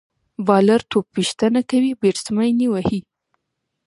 بالر توپ ویشتنه کوي، بیټسمېن يې وهي.